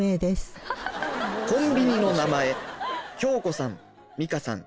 ・コンビニの名前恭子さん